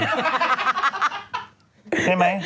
ใช่ไหม